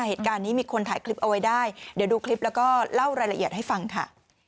เหตุการณ์นี้มีคนถ่ายคลิปเอาไว้ได้เดี๋ยวดูคลิปแล้วก็เล่ารายละเอียดให้ฟังค่ะ